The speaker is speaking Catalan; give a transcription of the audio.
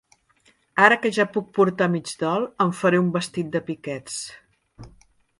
Ara que ja puc portar mig dol, em faré un vestit de piquets.